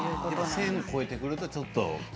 １０００を超えてくるとちょっと。